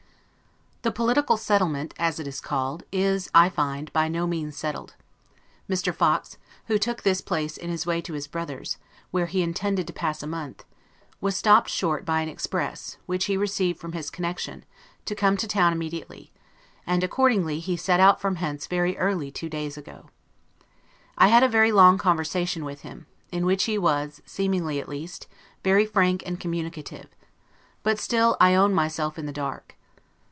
The political settlement, as it is called, is, I find, by no means settled; Mr. Fox, who took this place in his way to his brother's, where he intended to pass a month, was stopped short by an express, which he received from his connection, to come to town immediately; and accordingly he set out from hence very early, two days ago. I had a very long conversation with him, in which he was, seemingly at least, very frank and communicative; but still I own myself in the dark.